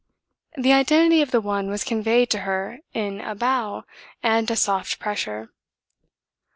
The identity of the one was conveyed to her in a bow and a soft pressure.